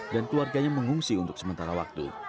dan keluarganya mengungsi untuk sementara waktu